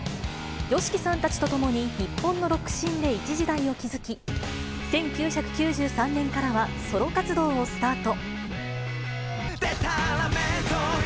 ＹＯＳＨＩＫＩさんたちと共に日本のロックシーンで一時代を築き、１９９３年からはソロ活動をスタート。